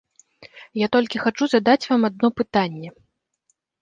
Я толькі хачу задаць вам адно пытанне.